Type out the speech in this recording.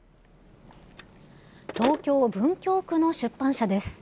東京・文京区の出版社です。